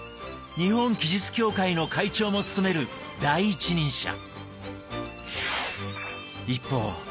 日本奇術協会の会長も務める第一人者。